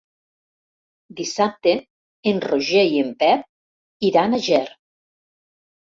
Dissabte en Roger i en Pep iran a Ger.